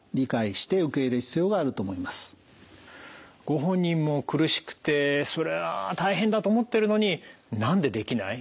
ご本人も苦しくてそれは大変だと思ってるのに「なんでできない？」